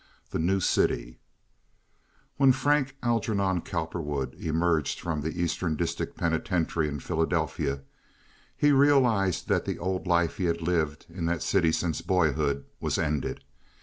The New City When Frank Algernon Cowperwood emerged from the Eastern District Penitentiary in Philadelphia he realized that the old life he had lived in that city since boyhood was ended.